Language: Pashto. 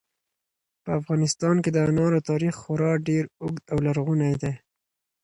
په افغانستان کې د انارو تاریخ خورا ډېر اوږد او لرغونی دی.